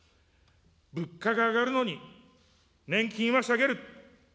物価が上がるのに、年金は下げる。